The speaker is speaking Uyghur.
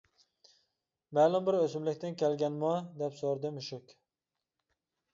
«مەلۇم بىر ئۆسۈملۈكتىن كەلگەنمۇ؟ » دەپ سورىدى مۈشۈك.